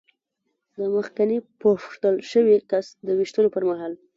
د مخکېني پوښتل شوي کس د وېشتلو پر مهال.